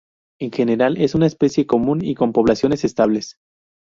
En general es una especie común y con poblaciones estables.